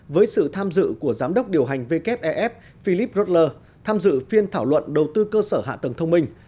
với sự tham dự của giám đốc điều hành wef philip rodler tham dự phiên thảo luận đầu tư cơ sở hạ tầng thông minh